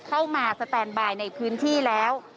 เข้ามาสแตนบายในพื้นที่แล้ว